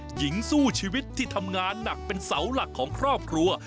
หญิงสู้ชีวิตที่ทำงานหนักเป็นเสาหลักของครอบครัว